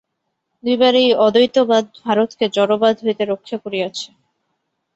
দুইবার এই অদ্বৈতবাদ ভারতকে জড়বাদ হইতে রক্ষা করিয়াছে।